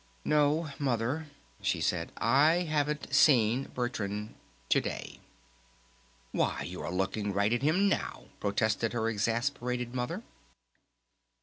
"No Mother," she said, "I haven't seen Bertrand ... to day." "Why, you're looking right at him now!" protested her exasperated Mother.